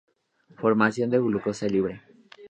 Formación de glucosa libre.